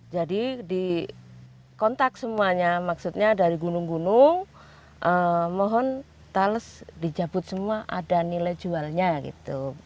jadi dikontak semuanya maksudnya dari gunung gunung mohon talas di jabut semua ada nilai jualnya gitu